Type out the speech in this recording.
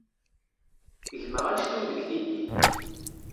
Gma anect-iw deg tiddi.